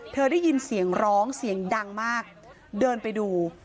ได้ยินเสียงร้องเสียงดังมากเดินไปดู